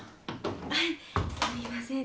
はいすいません。